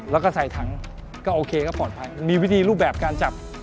แล้วก็ใส่ถังก็โอเคก็ปลอดภัยมีวิธีรูปแบบการจับ